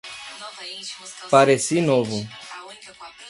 Pareci Novo